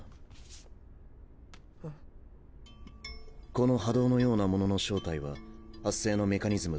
この波動のようなものの正体は発生のメカニズム